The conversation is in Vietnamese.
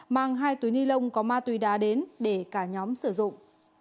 mang hai túi ni lông có ma túy đá đến để cả nhóm sử dụng